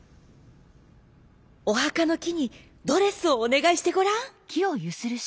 「おはかのきにドレスをおねがいしてごらん」。